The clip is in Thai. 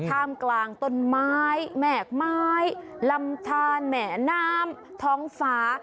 ท่ามกลางต้นไม้แหมกไม้ลำทานแหมน้ำท้องฟ้า